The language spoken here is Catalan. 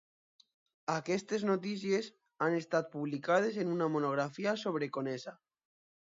Aquestes notícies han estat publicades en una monografia sobre Conesa.